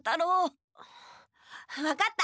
分かった！